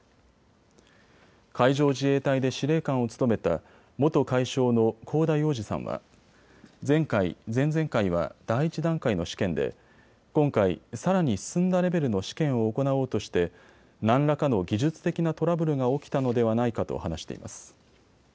海上自衛隊で司令官を務めた元海将の香田洋二さんは前回、前々回は第１段階の試験で今回、さらに進んだレベルの試験を行おうとして何らかの技術的なトラブルが起きたのではないかと話しています。